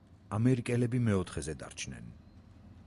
ამერიკელები მეოთხეზე დარჩნენ.